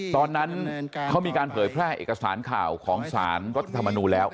ตอนนั้นเขามีการเผยแพร่เอกสารข่าวของสารรัฐธรรมนูลแล้ว